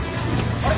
あれ？